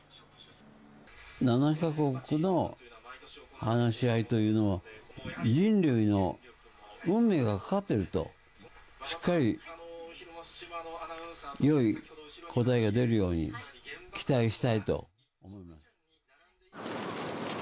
７か国の話し合いというのは、人類の運命がかかっていると、しっかりよい答えが出るように、期待したいと。